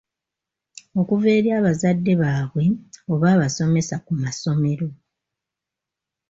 Okuva eri abazadde baabwe oba abasomesa ku masomero.